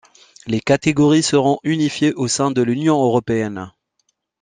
Les catégories seront unifiées au sein de l’Union européenne.